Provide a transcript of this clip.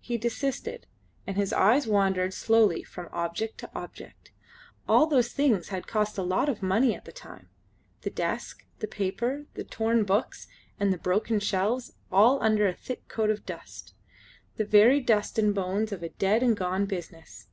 He desisted, and his eyes wandered slowly from object to object. All those things had cost a lot of money at the time. The desk, the paper, the torn books, and the broken shelves, all under a thick coat of dust. The very dust and bones of a dead and gone business.